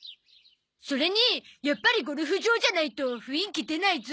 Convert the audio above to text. それにやっぱりゴルフ場じゃないと雰囲気出ないゾ。